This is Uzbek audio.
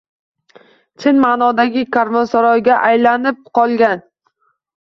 Chin maʼnodagi karvonsaroyga aylanib qolgan